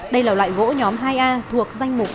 đây là loại gỗ nhóm hai a thuộc danh mục